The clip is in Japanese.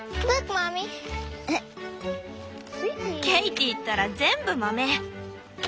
ケイティったら全部豆！